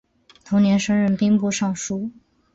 同年升任兵部尚书。